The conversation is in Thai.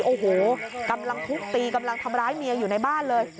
โอ้โหกำลังทุบตีกำลังทำร้ายเมียอยู่ในบ้านเลย